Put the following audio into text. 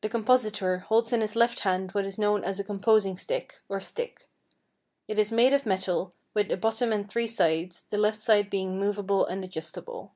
The compositor holds in his left hand what is known as a composing stick, or stick. It is made of metal, with a bottom and three sides, the left side being movable and adjustable.